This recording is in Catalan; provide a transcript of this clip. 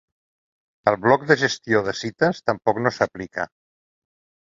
El bloc de gestió de cites tampoc no s'aplica.